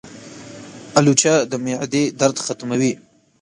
الوچه د معدې درد ختموي.